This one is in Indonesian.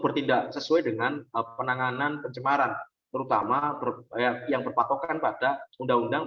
bertindak sesuai dengan penanganan pencemaran terutama yang berpatokan pada undang undang